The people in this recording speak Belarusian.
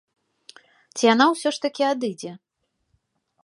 Ці яна ўсё ж такі адыдзе?